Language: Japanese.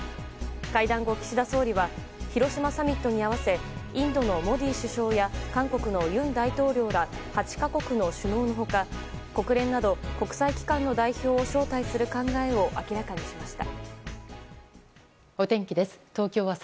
会談後、岸田総理は広島サミットに合わせインドのモディ首相や韓国の尹大統領や８か国の首脳の他国連など国際機関の代表を招待する考えを明らかにしました。